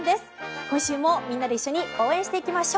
今週もみんなで一緒に応援していきましょう。